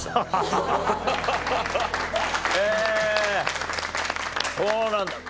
へぇそうなんだ。